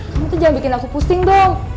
kamu tuh jangan bikin aku pusing dong